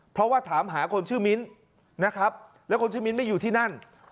เพราะว่าถามหาคนชื่อมิ้นนะครับแล้วคนชื่อมิ้นไม่อยู่ที่นั่น